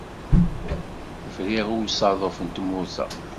Briɣ i usaḍuf n tmurt-a.